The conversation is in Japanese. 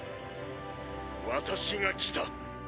私が来た。